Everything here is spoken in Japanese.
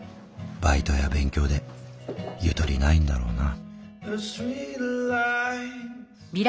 バイトや勉強でゆとりないんだろうな。